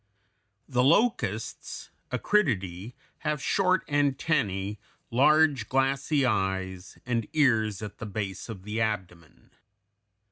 ] The locusts (Acridiidæ) have short antennæ, large glassy eyes, and ears at the base of the abdomen.